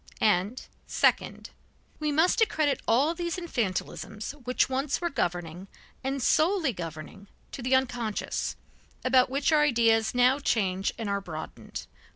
And second: We must accredit all these infantilisms which once were governing, and solely governing, to the unconscious, about which our ideas now change and are broadened.